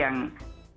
yang setelah itu